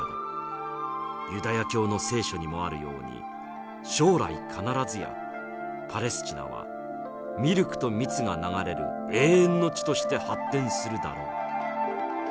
ユダヤ教の『聖書』にもあるように将来必ずやパレスチナはミルクと蜜が流れる永遠の地として発展するだろう」。